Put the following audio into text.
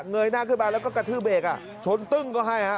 ยหน้าขึ้นมาแล้วก็กระทืบเบรกอ่ะชนตึ้งก็ให้ฮะ